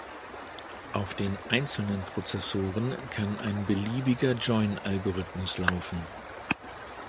Auf den einzelnen Prozessoren kann ein beliebiger Join-Algorithmus laufen.